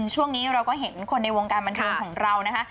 ช่วงนี้เราก็เห็นคนในวงการบันเทิงของเรานะคะ